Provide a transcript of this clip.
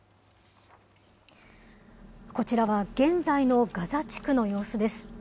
こちらは現在のガザ地区の様子です。